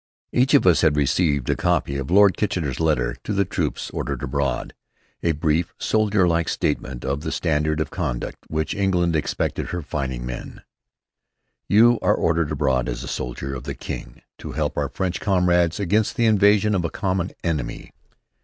Each of us had received a copy of Lord Kitchener's letter to the troops ordered abroad, a brief, soldierlike statement of the standard of conduct which England expected of her fighting men: You are ordered abroad as a soldier of the King to help our French comrades against the invasion of a common enemy.